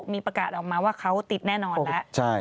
มีประกาศออกมาว่าเขาติดแน่นอนแล้ว